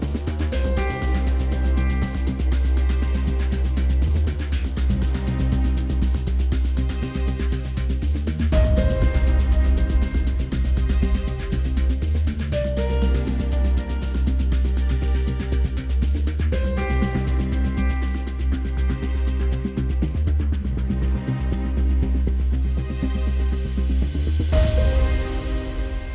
โปรดติดตามตอนต่อไป